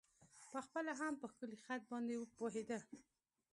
په خپله هم په ښکلی خط باندې پوهېده.